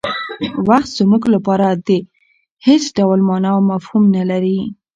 وخت زموږ لپاره هېڅ ډول مانا او مفهوم نه لري.